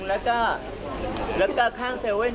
และก็แล้วก็ค่า๗๑๑ทีนึง